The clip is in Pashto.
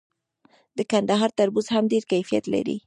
د کندهار تربوز هم ډیر کیفیت لري.